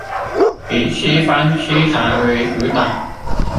以西方思潮為主導